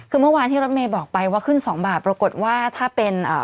คือเมื่อวานที่รถเมย์บอกไปว่าขึ้นสองบาทปรากฏว่าถ้าเป็นอ่า